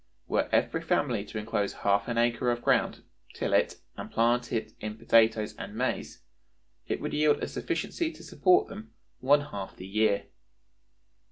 Were every family to inclose half an acre of ground, till it, and plant it in potatoes and maize, it would yield a sufficiency to support them one half the year.